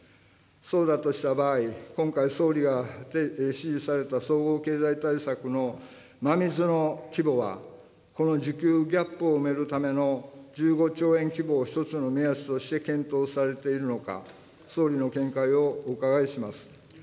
そうだとした場合、今回、総理が指示された総合経済対策の真水の規模は、この需給ギャップを埋めるための１５兆円規模を一つの目安として検討されているのか、総理の見解をお伺いします。